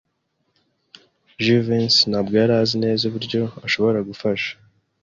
Jivency ntabwo yari azi neza uburyo ashobora gufasha.